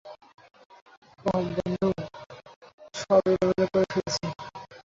অহ, বন্ধু, সব এলোমেলো করে ফেলেছি।